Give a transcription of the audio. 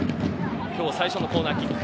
今日最初のコーナーキック。